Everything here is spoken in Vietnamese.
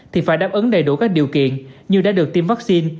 thì phải đáp ứng đầy đủ các điều kiện như đã được tiêm vaccine